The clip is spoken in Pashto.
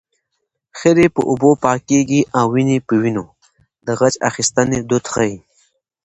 خیرې په اوبو پاکېږي او وينې په وينو د غچ اخیستنې دود ښيي